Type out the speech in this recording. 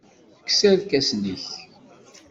Kkes irkasen-nnek.